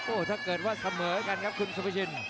ถ้าเกิดว่าเสมอกันครับคุณสุภาชิน